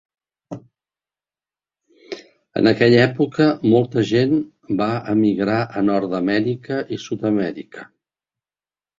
En aquella època molta gent va emigrar a Nord-Amèrica i Sud-Amèrica.